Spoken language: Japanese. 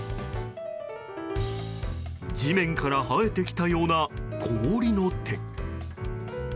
地面から生えてきたような氷の手。